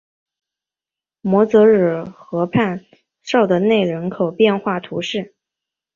摩泽尔河畔绍德内人口变化图示